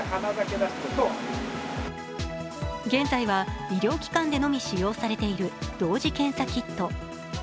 現在は、医療機関でのみ使用されている同時検査キット。